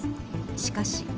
しかし。